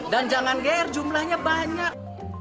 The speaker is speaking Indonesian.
dan jangan gair jumlahnya banyak